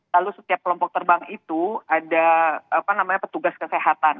lalu setiap kelompok terbang itu ada petugas kesehatan